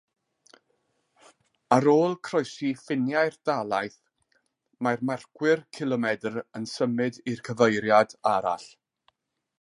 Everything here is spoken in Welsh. Ar ôl croesi ffiniau'r dalaith mae'r marcwyr cilomedr yn symud i'r cyfeiriad arall.